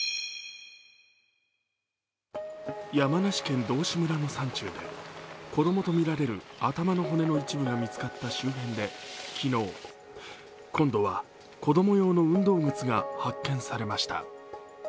山梨県道志村の山中で、子供とみられる頭の骨の一部が見つかった周辺で、昨日、今度は、子供用の運動靴が発見されました。